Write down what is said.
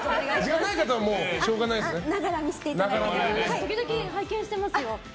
時々、拝見してますよ。